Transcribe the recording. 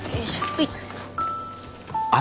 はい。